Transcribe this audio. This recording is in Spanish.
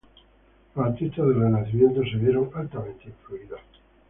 Los artistas del Renacimiento se vieron altamente influidos.